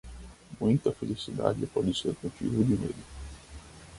Muita felicidade pode ser motivo de medo.